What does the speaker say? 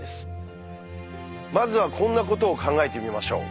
まずはこんなことを考えてみましょう。